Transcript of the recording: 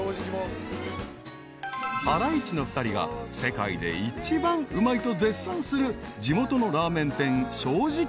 ［ハライチの２人が世界で一番うまいと絶賛する地元のラーメン店］